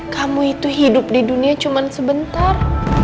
kamu itu hidup di dunia cuma sebentar